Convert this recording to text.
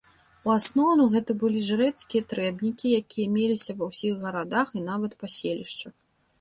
У асноўным гэта былі жрэцкія трэбнікі, якія меліся ва ўсіх гарадах і нават паселішчах.